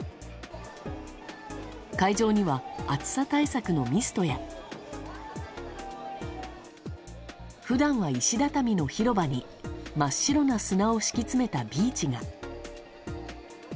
会場には暑さ対策のミストや普段は石畳の広場に真っ白な砂を敷き詰めたビーチが。